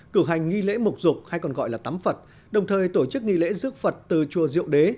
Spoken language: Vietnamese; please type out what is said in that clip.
cử hành nghi lễ mục dục hay còn gọi là tắm phật đồng thời tổ chức nghi lễ rước phật từ chùa diệu đế